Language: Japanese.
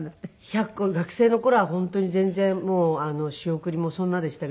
１００個学生の頃は本当に全然もう仕送りもそんなでしたけど。